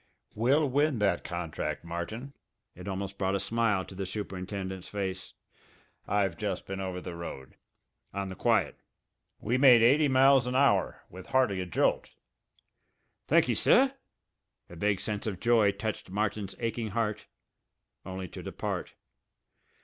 "We'll win that contract, Martin!" It almost brought a smile to the superintendent's face. "I've just been over the road on the quiet. We made eighty miles an hour with hardly a jolt!" "Thankee, sir." A vague sense of joy touched Martin's aching heart only to depart.